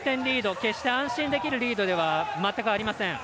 決して、安心できるリードでは全くありません。